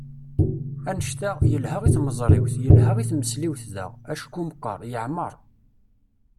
Annect-a, yelha i tmeẓriwt, yelha i tmesliwt daɣ, acku meqqer, yeɛmer.